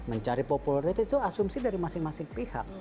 mencari popularitas itu asumsi dari masing masing pihak